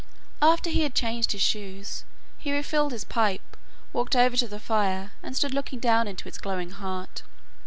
After he had changed his shoes, he refilled his pipe, walked over to the fire, and stood looking down into its glowing heart.